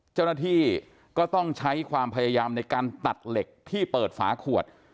เจ้าหน้าที่ก็ต้องใช้ความพยายามในการตัดเหล็กที่เปิดฝาขวด